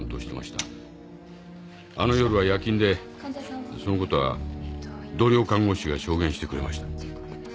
あの夜は夜勤でそのことは同僚看護師が証言してくれました。